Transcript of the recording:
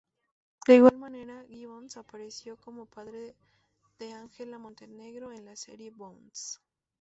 De igual manera Gibbons apareció como padre de Angela Montenegro en la serie "Bones".